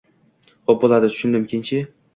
– Xop bo‘ladi, tushundim, keyinchi?